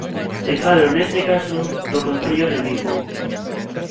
E falo neste caso do Concello de Vigo.